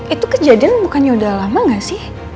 itu kejadian bukannya udah lama gak sih